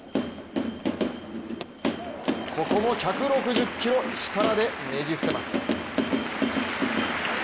ここも１６０キロ力でねじ伏せます。